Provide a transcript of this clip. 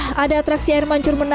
wow ada atraksi air mancur menangimu